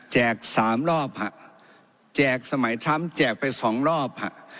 แจกสามรอบฮะแจกสมัยแจกไปสองรอบฮะ